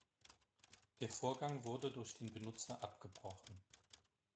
Der Vorgang wurde durch den Benutzer abgebrochen.